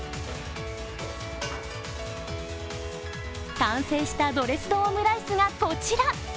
完成したドレスドオムライスがこちら。